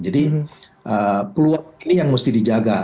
jadi peluang ini yang mesti dijaga